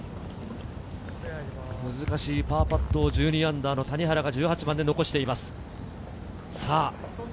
難しいパーパットを１２番の谷原が１８番で残しています。